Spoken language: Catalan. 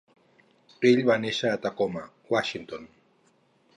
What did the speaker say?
Ell va néixer a Tacoma, Washington.